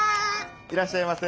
いらっしゃいませ。